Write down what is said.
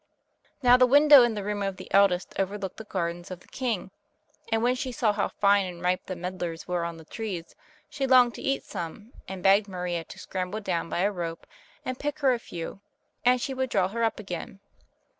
Now the window in the room of the eldest overlooked the gardens of the king, and when she saw how fine and ripe the medlars were on the trees, she longed to eat some, and begged Maria to scramble down by a rope and pick her a few, and she would draw her up again.